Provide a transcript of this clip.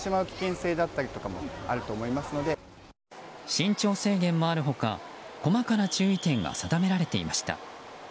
身長制限もある他細かな注意点が定められていました。